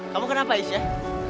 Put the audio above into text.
kamu kenapa aisyah